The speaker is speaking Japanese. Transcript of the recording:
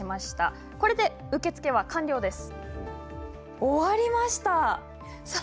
これで、受付は完了です。